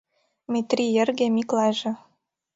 Метрий эрге Миклайже